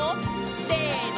せの！